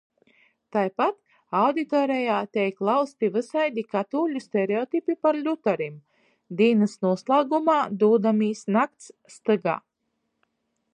Taipat auditorejā teik lauzti vysaidi katuoļu stereotipi par ļutarim. Dīnys nūslagumā dūdamīs nakts stygā.